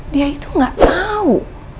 dia itu gak tau